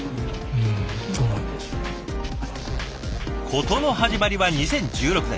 事の始まりは２０１６年。